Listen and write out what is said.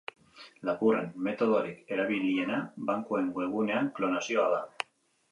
Lapurren metodorik erabiliena bankuen webguneen klonazioa da.